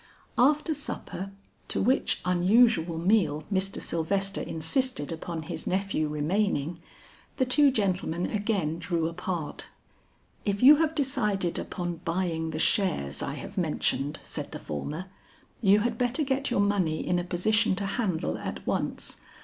After supper, to which unusual meal Mr. Sylvester insisted upon his nephew remaining, the two gentlemen again drew apart. "If you have decided upon buying the shares I have mentioned," said the former, "you had better get your money in a position to handle at once.